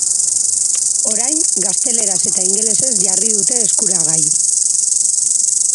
Orain gazteleraz eta ingelesez jarri dute eskuragai.